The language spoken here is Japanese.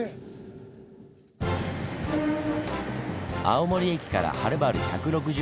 青森駅からはるばる１６０ｋｍ。